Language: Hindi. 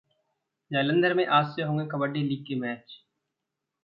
जालंधर में आज से होंगे कबड्डी लीग के मैच